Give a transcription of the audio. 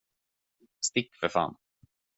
Stick, för fan!